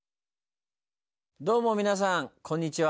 どうも皆さんこんにちは。